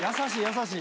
優しい。